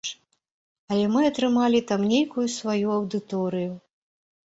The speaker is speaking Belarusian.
Але мы атрымалі там нейкую сваю аўдыторыю.